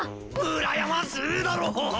うらやましいだろ！